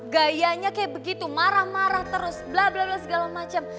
gayanya kayak begitu marah marah terus bla bla bla segala macam